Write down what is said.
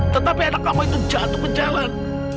tetapi anak kamu itu jatuh ke jalan